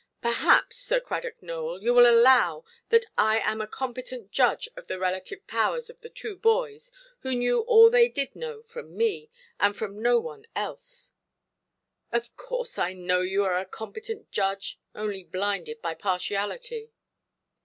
"Perhaps, Sir Cradock Nowell, you will allow that I am a competent judge of the relative powers of the two boys, who knew all they did know from me, and from no one else". "Of course, I know you are a competent judge, only blinded by partiality".